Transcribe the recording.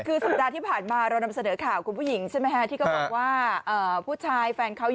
คือสัปดาห์ที่ผ่านมาเรานำเสนอข่าวคุณผู้หญิงใช่มั้ย